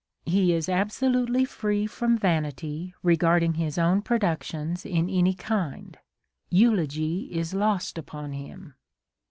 He is absolutely free from vanity regarding his own productions in any kind : eulogy is lost upon him.